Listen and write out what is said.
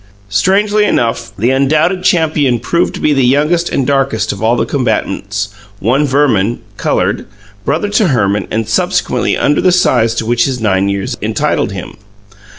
Strangely enough, the undoubted champion proved to be the youngest and darkest of all the combatants, one Verman, coloured, brother to Herman, and substantially under the size to which his nine years entitled him.